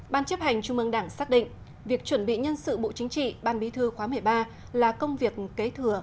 ban chấp hành trung ương đảng xác định việc chuẩn bị nhân sự bộ chính trị ban bí thư khóa một mươi ba là công việc kế thừa